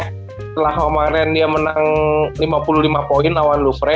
setelah kemarin dia menang lima puluh lima poin lawan lufred